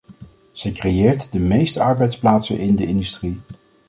Zij creëert de meeste arbeidsplaatsen in de industrie.